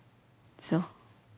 そう。